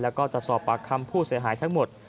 แล้วก็จะสอบปากคำผู้เสียหายทั้งหมด